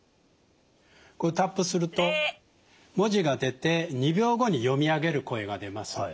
こうタップすると文字が出て２秒後に読み上げる声が出ます。